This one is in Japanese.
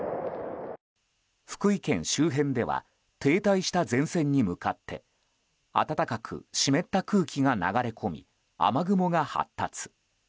福井県周辺では停滞した前線に向かって暖かく湿った空気が流れ込み雨雲が発達。